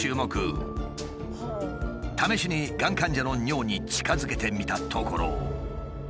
試しにがん患者の尿に近づけてみたところ。